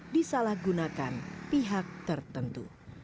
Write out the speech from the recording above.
disalahgunakan pihak tertentu